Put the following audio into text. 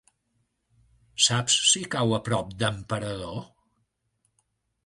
Saps si cau a prop d'Emperador?